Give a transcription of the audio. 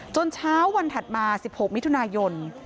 เช้าวันถัดมา๑๖มิถุนายน